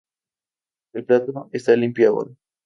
El plato está limpio ahora.